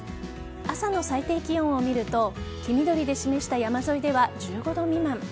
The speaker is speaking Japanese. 朝の最低気温を見ると黄緑で示した山沿いでは１５度未満。